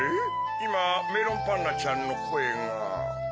いまメロンパンナちゃんのこえが。